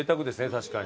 確かに。